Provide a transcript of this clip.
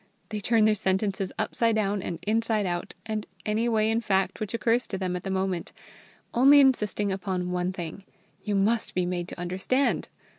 They turn their sentences upside down and inside out, and any way in fact which occurs to them at the moment, only insisting upon one thing: you must be made to understand.